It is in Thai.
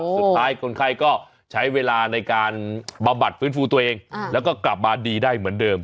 สุดท้ายคนไข้ก็ใช้เวลาในการบำบัดฟื้นฟูตัวเองแล้วก็กลับมาดีได้เหมือนเดิม